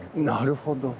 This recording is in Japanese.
なるほど。